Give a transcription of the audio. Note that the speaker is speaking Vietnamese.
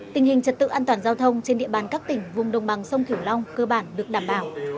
tình hình trật tự an toàn giao thông trên địa bàn các tỉnh vùng đồng bằng sông kiểu long cơ bản được đảm bảo